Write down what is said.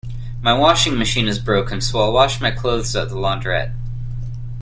My washing machine is broken, so I'll wash my clothes at the launderette